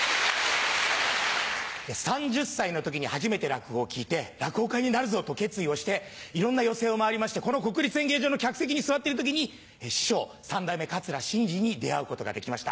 ３０歳の時に初めて落語を聞いて落語家になるぞと決意をしていろんな寄席を回りましてこの国立演芸場の客席に座ってる時に師匠三代目桂伸治に出会うことができました。